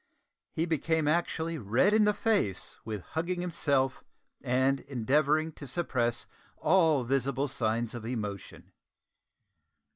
He became actually red in the face with hugging himself and endeavouring to suppress all visible signs of emotion.